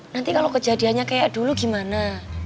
nanti kalau kejadiannya kayak dulu gimana